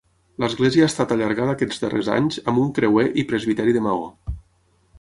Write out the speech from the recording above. L'església ha estat allargada aquests darrers anys amb un creuer i presbiteri de maó.